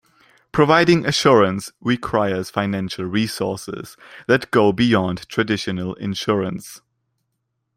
Providing assurance requires financial resources that go beyond traditional insurance.